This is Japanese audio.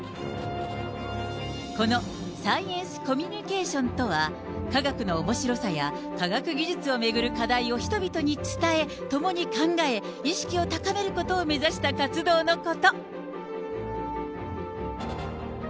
このサイエンスコミュニケーションとは、科学のおもしろさや、科学技術を巡る課題を人々に伝え、共に考え、意識を高めることを目指した活動のこと。